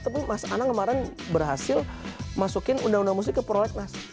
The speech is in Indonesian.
tapi mas anang kemarin berhasil masukin undang undang musik ke prolegnas